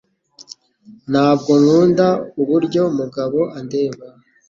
Ntabwo nkunda uburyo Mugabo andeba.